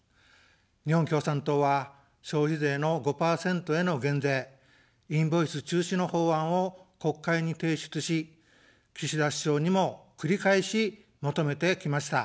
日本共産党は消費税の５％への減税、インボイス中止の法案を国会に提出し、岸田首相にも繰り返し求めてきました。